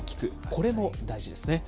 これも大事ですね。